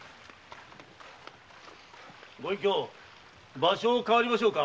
ご隠居場所を代わりましょうか？